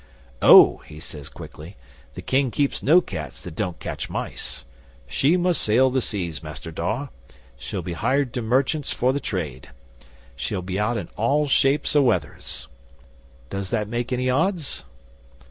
'"Oh," he says quickly, "the King keeps no cats that don't catch mice. She must sail the seas, Master Dawe. She'll be hired to merchants for the trade. She'll be out in all shapes o' weathers. Does that make any odds?"